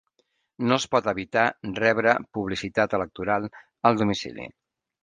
No es pot evitar rebre publicitat electoral al domicili